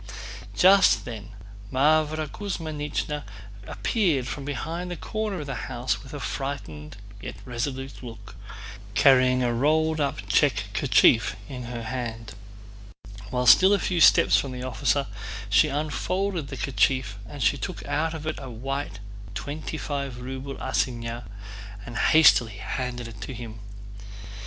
Just then Mávra Kuzmínichna appeared from behind the corner of the house with a frightened yet resolute look, carrying a rolled up check kerchief in her hand. While still a few steps from the officer she unfolded the kerchief and took out of it a white twenty five ruble assignat and hastily handed it to him.